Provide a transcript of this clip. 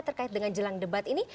terkait dengan jelang debat ini